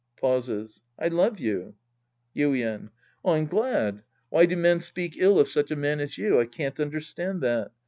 {Pauses.) I love you. Yuien. I'm glad. Why do men speak ill of such a man as you ? I can't understand that.